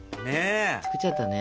作っちゃったね。